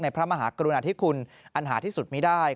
พระมหากรุณาธิคุณอันหาที่สุดมีได้